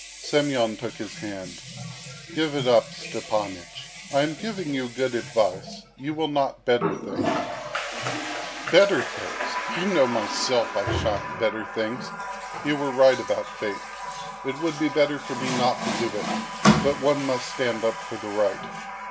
Semyon took his hand. "Give it up, Stepanych. I am giving you good advice. You will not better things..." "Better things! I know myself I shan't better things. You were right about Fate. It would be better for me not to do it, but one must stand up for the right."